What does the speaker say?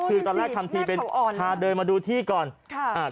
คือตอนแรกทำทีเป็นทานเดินมาดูที่ก่อนว้ายที่แม่เขาอ่อนดี